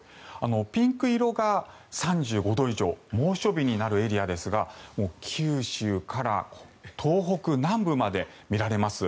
ピンク色が３５度以上猛暑日になるエリアですが九州から東北南部まで見られます。